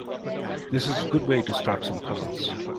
This is a good way to start some puzzles.